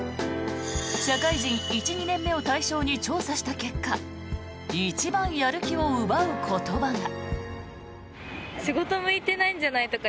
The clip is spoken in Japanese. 社会人１、２年目を対象に調査した結果一番やる気を奪う言葉が。